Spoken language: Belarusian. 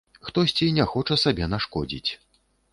Хтосьці не хоча сабе нашкодзіць.